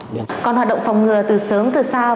còn hoạt động phòng ngừa từ sớm từ sau